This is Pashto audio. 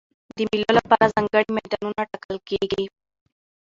د مېلو له پاره ځانګړي میدانونه ټاکل کېږي.